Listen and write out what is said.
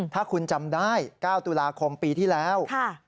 ถ้าคุณจำได้๙ตุลาคมปีที่แล้ว